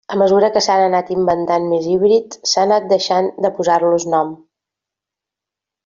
A mesura que s'han anat inventant més híbrids s'ha anat deixant de posar-los nom.